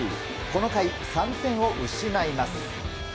この回３点を失います。